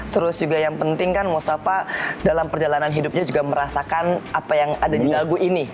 terus juga yang penting kan mustafa dalam perjalanan hidupnya juga merasakan apa yang ada di lagu ini